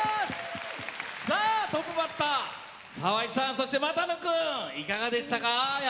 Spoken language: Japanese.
トップバッター、澤井さんそして又野君、やってみていかがでしたか？